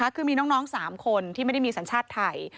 คือมีน้อง๓คนที่ไม่ได้มีสัญชาติไทย